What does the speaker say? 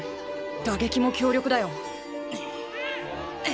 打撃も強力だよ。